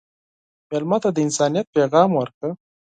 مېلمه ته د انسانیت پیغام ورکړه.